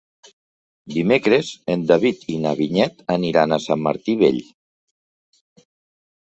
Dimecres en David i na Vinyet aniran a Sant Martí Vell.